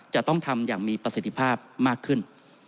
จะต้องทำอย่างมีประสิทธิภาพมากขึ้น